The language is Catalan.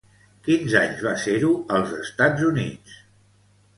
Quins anys va ser-ho als Estats Units?